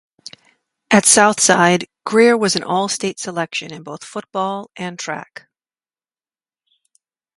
At South Side, Greer was an all state selection in both football and track.